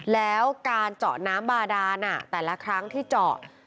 แล้วการเจาะน้ำบาดานแต่ละครั้งที่เจาะ